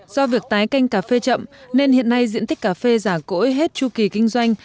do việc tái canh cà phê chậm nên hiện nay diện tích cà phê giả cỗi hết chu kỳ kinh doanh